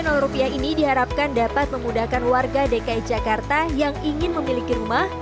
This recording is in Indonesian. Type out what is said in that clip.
rupiah ini diharapkan dapat memudahkan warga dki jakarta yang ingin memiliki rumah